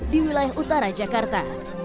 di wilayah utara jakarta